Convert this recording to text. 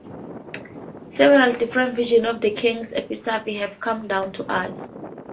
Several different versions of the king's epitaph have come down to us.